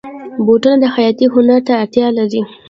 بوټونه د خیاطۍ هنر ته اړتیا لري.